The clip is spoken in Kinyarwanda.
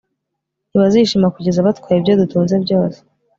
ntibazishima kugeza batwaye ibyo dutunze byose